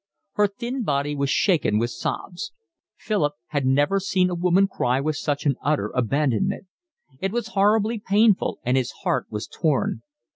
Her thin body was shaken with sobs. Philip had never seen a woman cry with such an utter abandonment. It was horribly painful, and his heart was torn.